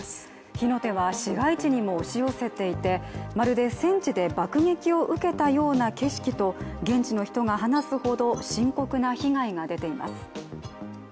火の手は市街地にも押し寄せていてまるで戦地で爆撃を受けたような景色と現地の人が話すほど深刻な被害が出ています。